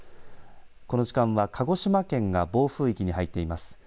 この時間は鹿児島県が暴風域に入っています。